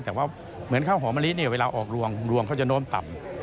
แต่ว่าเหมือนข้าวหอมะลิเวลาออกรวงรวงเขาจะน้อมต่ำ